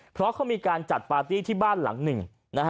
เพราะเขามีการจัดปาร์ตี้ที่บ้านหลังหนึ่งนะฮะ